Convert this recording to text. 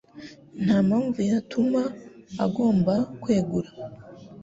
Nta mpamvu yatuma agomba kwegura.